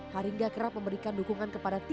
haringga kerap memberikan dukungan kepada tim